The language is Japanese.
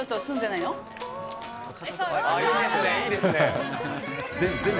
いいですね。